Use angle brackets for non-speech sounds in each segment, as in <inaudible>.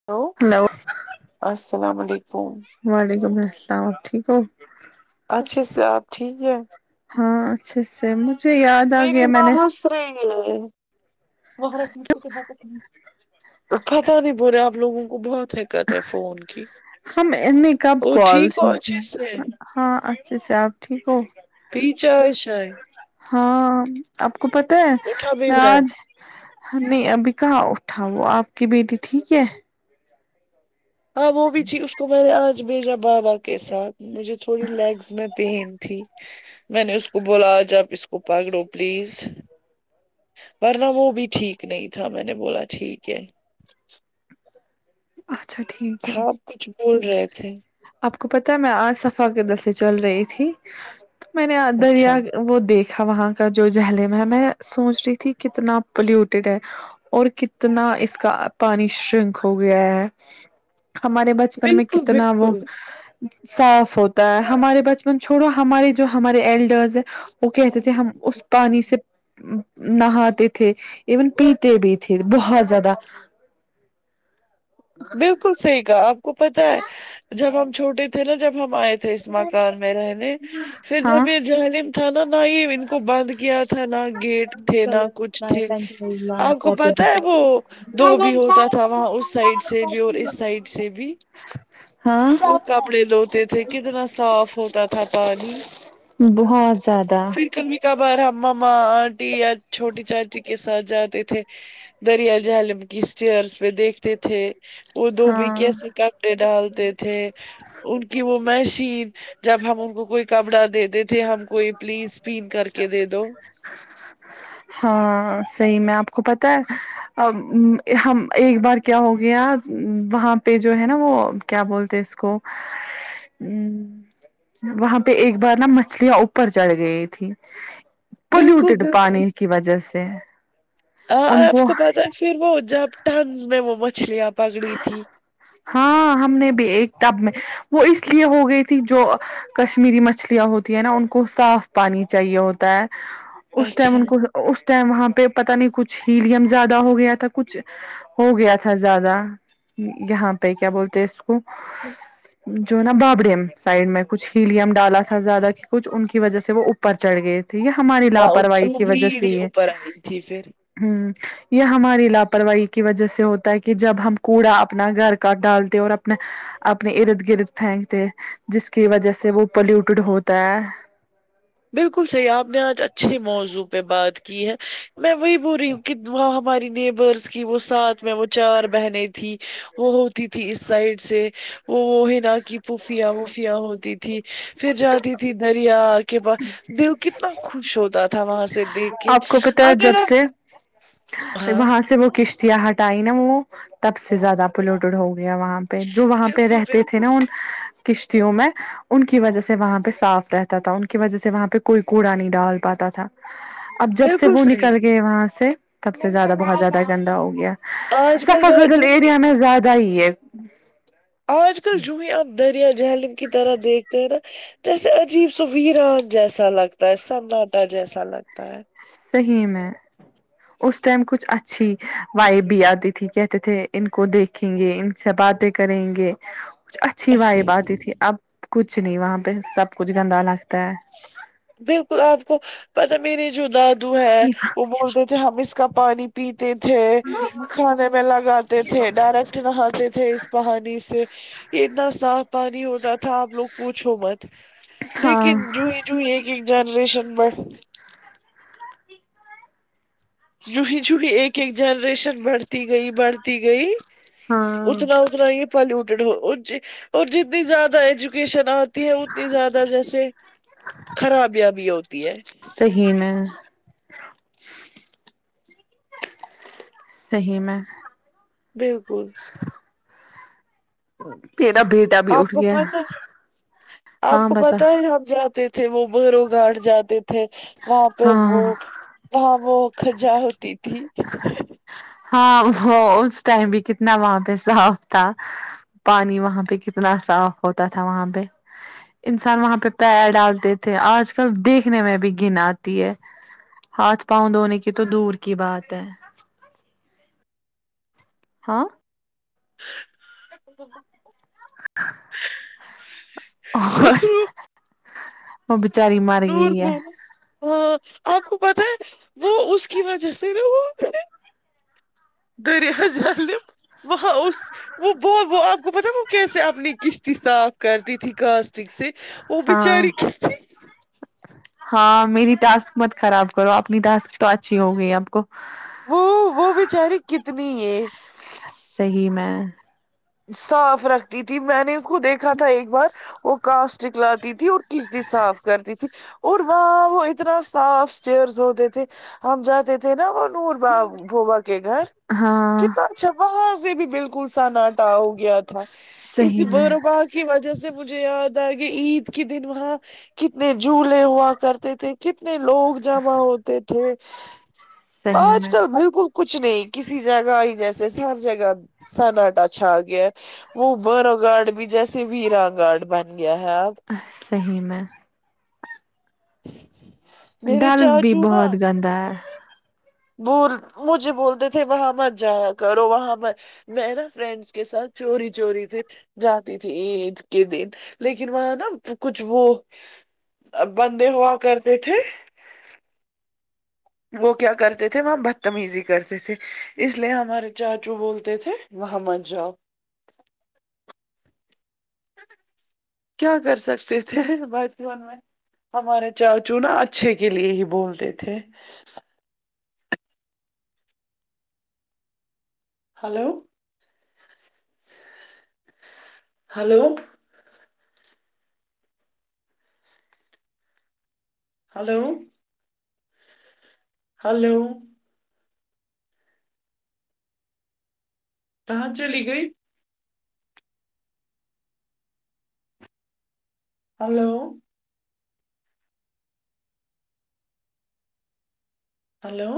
hello hello السلام علیکم وعلیکم السلام ٹھیک ہو اچھا سے آپ ٹھیک ہے ہاں اچھے سے مجھے یاد آ میری گیا میں نے <unintelligible> <unintelligible> دکت ہے فون کی ہم نے کب وہ کال ٹھیک ہو اچھے کیا سے ہاں اچھے سے آپ ٹھیک ہو پیچو ہے شاید ہاں آپ کو پتا ہے اٹھا میں بیٹا آج نہیں ابھی کہاں اٹھا وہ آپ کی بیٹی ٹھیک ہے ہاں وہ بھی تھی اس کو میں نے آج بھیجا بابا کے ساتھ مجھے تھوڑی لیگس میں پین تھی میں نے اس کو بولا آج آپ اس کو پکڑو پلیز ورنہ وہ بھی ٹھیک نہیں تھا میں نے بولا ٹھیک ہے اچھا ٹھیک ہے آپ کچھ بول رہے تھے آپ کو پتاہ ہے میں آج صفا کےدر سے چل رہی تھی تو میں نے اچھا دریا وہ دیکھا وہاں کا جو جہلم ہے میں سوچ رہی تھی کتنا پلیوٹیڈ ہے اور کتنا اس کا پانی شرنک ہو گیا ہے ہمارے بچپن میں بالکل کتنا وہ بالکل صاف ہوتا ہے ہمارے بچپن چھوڑو ہمارے جو ہمارے ایلڈرز وہ کہتے تھے ہم اس پانی سے نہاتے تھے ایون پیتے بھی تھے بہت زیادہ بلکل صحیح کہا آپ کو پتا ہے جب ہم چھوٹے تھے نا جب ہم آئے تھے مکان میں رہنے پھر ہاں جب یہ جھلم تھا نا نہ ہی کو بند کیا تھا نہ گیٹ تھے نہ کلرس کچھ لائے تھے پینسلز لائے آپ کو کاپی پتا لائے ہے وہ دھوبی ہوتا تھا وہاں اس سائڈ جی اور اس سائڈ سے بھی ہاں وہ کپڑے دھوتے تھے کتنا صاف ہوتا تھا پانی بہت زیادہ پھر کبھی کبھار ہم مما آنٹی یا چھوٹی چاچی کے ساتھ جاتے تھے دریا جہلم کی اسٹیئرس پہ دیکھ تھے وہ دھوبی ہاں کیسے کپڑے ڈالتے تھے ان کی وہ مشین جب ہم ان کو کوئی کپڑا دیتے تھے ہم کوئی پلیس کلین کر کے دے دو ہاں صحیح میں آپ کو پتا ہے ہم ایک بار کیا ہو گیا وہاں پہ جو ہے نا وہ کیا بولتے اس کو وہاں پہ ایک بار نا مچھلیاں اوپر چڑھ گئی تھی بالکل پلیوٹیڈ پانی بالکل کی وجہ سے ہاں آپ کو پتا ہے پھر وہ جب ٹنز میں وہ مچھلیاں پکڑی تھی ہاں ہم نے بھی ایک ٹب میں وہ اس لیے ہو گئی تھی جو کشمیری مچھلیاں ہوتی ہیں نا ان کو صاف پانی چاہیے ہوتا ہے اس ٹائم اچھا ان کو اس ٹائم وہاں پہ پتا نہیں کچھ ہیلیم زیادہ ہو گیا تھا کچھ ہو گیا تھا زیادہ یہاں پہ کیا بولتے اس کو جو نا بابرییم سائڈ میں کچھ ہیلیم ڈالا تھا زیادہ کی کچھ ان کی وجہ سے وہ اوپر چڑھ گئے تو یہ ہماری ہاں ان لاپرواہی وہ کی وجہ بریڈ سے ہی یہ اوپر آئی تھی پھر یہ ہماری لاپرواہی کی وجہ سے ہوتا ہے کہ جب ہم کوڑا اپنا گھر گھر ڈالتے اور اپنا اپنے ارد گرد پھینکتے جس کی وجہ سے وہ پلیوٹیڈ ہوتا ہے بالکل صحیح آپ نے آج اچھے موضوع پہ بات کی ہے میں وہی بول رہی ہوں کہ وہاں ہماری نیبرس کی وہ ساتھ وہ چار بہنیں تیں وہ ہوتی تھی اس سائڈ سے وہ وہ ہے نا کہ پوفیاں وفیاں ہوتی تھی پھر جاتی تھی دریا کے باس دل کتنا خوش ہوتا تھا وہاں سے دیکھ کے آپ کو پتا ہے اگر جب سے ہاں وہاں سے وہ کشتیاں ہٹائی نا وہ تب سے ہاں، زیادہ پلیوٹیڈ ہو گیا وہاں پہ جو وہاں پہ بالکل رہتے تھے بالکل نا ان کشتیوں میں ان کی وجہ سے وہاں پہ صاف رہتا تھا ان کی وجہ سے وہاں پہ کوئی کوڑا نہیں ڈال پاتا تھا اب جب سے بالکل وہ نکل صحیح گئے وہاں سے سب سے زیادہ بہت زیادہ گندا ہو گیا آج کل سفہ جو قزل جو ایریا میں زیادہ ہی ہے آج کل جو ہے آپ دریا جہلم کی طرح دیکھتے ہیں نا جیسے عجیب سا ویران جیسا لگتا ہے سناٹا جیسا لگتا ہے صحیح میں اس ٹائم کچھ اچھی وائب بھی آتی تھی کہتے تھے ان کو دیکھ رکھیں گے ان سے باتیں کریں گے کچھ اچھی وائب آتی تھی اب کچھ نہیں وہاں پہ سب کچھ گندا لگتا ہے بالکل آپ کو پتا میرے جو دادو ہے وہ بولتے تھے ہم اس کا پانی پیتے تھے کھانے میں لگاتے تھے ڈائریکٹ نہاتے تھے اس پانی سے یہ اتنا صاف پانی ہوتا تھا آپ لوگ پوچو مت ہاں لیکن جو جو ایک ایک جنریشن بٹ جوئی جوئی ایک ایک جنریشن بڑھتی گئی بڑھتی گئی ہاں اتنا ہی پولیو ٹید ہو اور جتنی زیادہ ایجوکیشن اتنی زیادہ جیسے خرابیاں بھی ہوتی ہے صحیح میں صحیح میں بالکل پھر ابھی آپ کو پتا آپ ہاں کو بتا پتا ہے ہم جاتے تھے وہ بیرو گھٹ جاتے تھے وہاں پہ وہ ہاں وہاں وہ خاضا ہوتی تھی ہاں وہ اس ٹائم بھی کتنا وہاں پہ صاف تھا پانی وہاں پہ کتنا صاف ہوتا تھا وہاں پہ انسان وہاں پہ پیر ڈالتے تھے آج کل دیکھنے میں بھی گن آتی ہے ہاتھ پاؤں دھونے کی تو دور کی بات ہے ہاں اور وہ بچاری مر نور گئی ہے بو، ہاں آپ کو پتا ہے وہ اس کی وجہ سےا وہ دری جہام وہاں اس وہ ب وہ آپ کو پتا وہ کیسے اپنی کشتی صاف کرتی تھی کلاسٹک سے وہ ہاں بچاری کسی ہاں میری ٹاسک مت خراب کرو اپنی ٹاسک تو اچھی ہوگئی آپ کو وہ وہ بچاری کتنی ہے صحیح میں صاف رکھتی تھی میں نے اس خو دیکھا تھا ایک بار وہ کاسٹک لاتی تھی اور کشتی صاف کرتی تھی اور وہاں وہ اتنا صاف چیئرز ہوتے تھے ہم جاتے تھے نا وہ نور با بھوبا کے گھر ہاں کتانا جب وہاں سے بھی بالکل سناٹا ہو گیا تھا اس صحیح ب میں پ کی وجہ سے مجھے یاد آئے کہ عید کے دن وہاں کتنے جولے ہوا کرتے تھے کتنے لوگ جمع ہوتے تھے صحیح آج میں کل بالکل کچھ نہیں کسی جگہ ہی جیسے ہر جگہ سننٹا اچھا آ گیا ہے وہ برو گارڈ بھی جیسے ویرا گارڈ بن گیا ہے اب صحیح میں میرے چاچو نا گند ہے بول مجھے بولتے تھے وہاں مت جایا کرو وہاں م میں نا فرینڈس کے ساتھ چوری چوری تھی جاتی تھی عید کے دن لیکن وہ نا کچھ وہ بندے ہوا کرتے تھے وہ کیا کرتے تھے وہ بدتمیزی کرتے تھے اس لیے ہمارے چاچو بولتے تھے وہاں مت جاؤ کیا کر سکتے تھے بچپن میں ہمارے چاچو نا اچھے کے لیے ہی بولتے تھے ہیلو ہیلو ہیلو ہیلو کہاں چلی گئی ہیلو ہیلو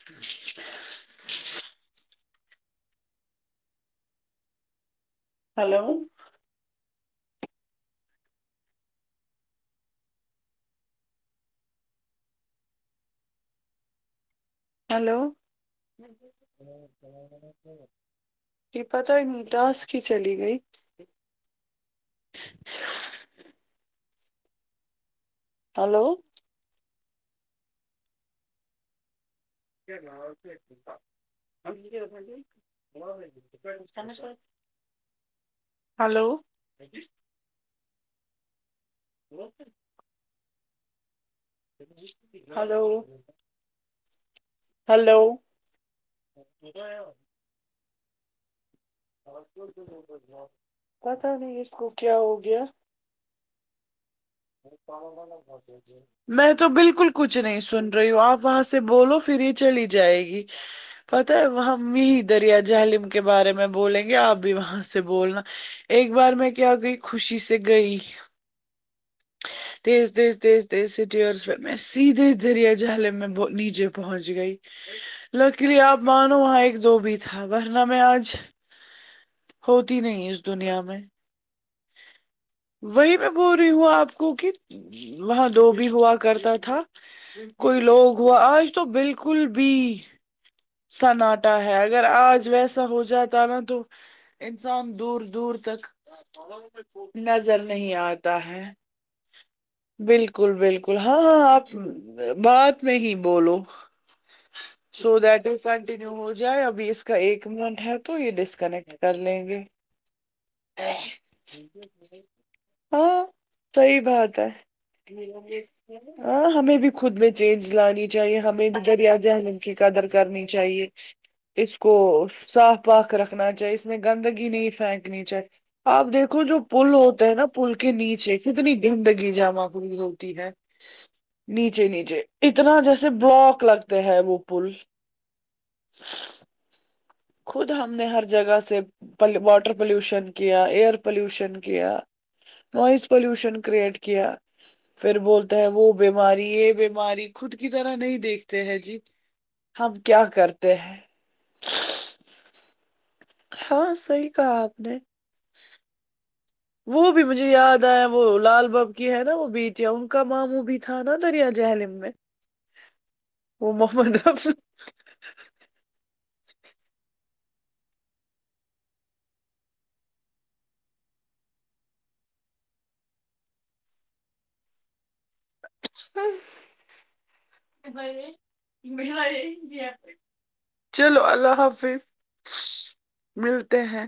ہچ ہیلو ہیلو کہ پتا ہی نہیں دس کی چلی گئی ہیلو <unintelligible> <inaudible> ہیلو ہیلو ہیلو پتا نہیں اس کو کیا ہو گیا <unintelligible> میں تو بالکل کچھ نہیں سن رہی ہوں آپ وہاں سے بولو پھر یہ چلی جائے گی پت ہے ہم یہ دریا جہلیم کے بارے میں بولیں گے آپ بھی وہاں سے بولنا ایک بار میں کیا گئی خوشی سے گئی تیز تیز تیز تیز سٹیرس پہ میں سیدھے دریا جہلیم میں نیچے پہنچ گئی لڑکی آپ مانو وہاں ایک دو بھی تھا ورن میں آج ہوتی نہیں اس دنیا میں وہی میں بول رہی ہوں آپ آ کو کہ وہاں دو بھی ہوا کرتا تھا کوئی لوگ ہوا آج تو بالکل بھی سناٹا ہے اگر آج ویسا ہو جاتا نا تو انسان دور دور تک نظر نہیں آتا ہے بالکل بالکل ہاں ہاں آپ بات میں ہی بولو سو دٹ کنٹینیو ہو جائے ابھی اس کا ایک منٹ ہے تو یہ ڈسکنیکٹ کر لیں گے ہاں صحیح بات ہے ہاں ہمیں بھی خود میں چینج لانی چاہیے ہمیں دریا جہلیم کی قدر کرنی چاہیے اس کو صاف پاک رکھنا چاہیے اس میں گندگی نہیں پھینکنی چاہیے آپ دیکھو جو پل ہوتے ہے نا پل کے نیچے کتنی گندگی جمع کری ہو ٹھیک ہے نیچے نیچے اتنا جیسے بلاک لگتے ہیں وہ پل خود ہم نے ہر جگہ سے واٹر پولوشن کیا ایئر پلیوشن کیا نوائز پلیوشن کرٹ کی پھر بولتا ہے وہ بیماری یہ بیماری خود کی طرح نہیں دیکھتے ہیں جی ہم کیا کرتے ہیں ہاں صحیح کہا آپ نے وہ بھی مجھے یاد آئے وہ لال بااب کی ہے نا وہ بیچ ہے ان کا ماموں بھی تھا نا دریا جہللم میں وہ محمد <unintelligible> چلو اللہ حافظ ملتے ہیں